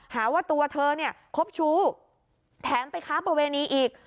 หาว่าตัวเธอครบชู้แถมไปครับบริเวณนี้อีก